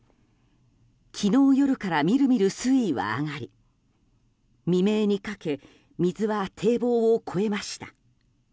昨日夜からみるみる水位は上がり未明にかけ水は堤防を越えました。